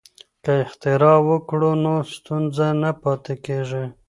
که اختراع وکړو نو ستونزه نه پاتې کیږي.